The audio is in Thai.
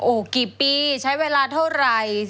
โอ้โหกี่ปีใช้เวลาเท่าไหร่